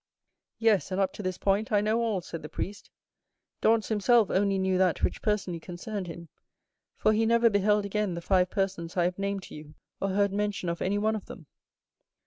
"Yes, and up to this point I know all," said the priest. "Dantès himself only knew that which personally concerned him, for he never beheld again the five persons I have named to you, or heard mention of anyone of them."